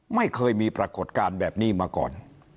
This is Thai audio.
ไม่เคยมีปรากฏการณ์แบบนี้มาก่อน